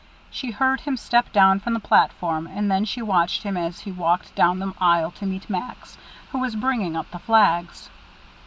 She heard him step down from the platform, and then she watched him as he walked down the aisle to meet Max, who was bringing up the flags.